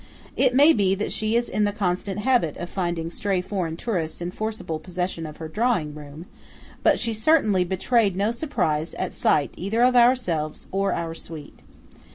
It may be that she is in the constant habit of finding stray foreign tourists in forcible possession of her drawing room; but she certainly betrayed no surprise at sight of either ourselves or our suite.